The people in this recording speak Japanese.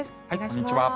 こんにちは。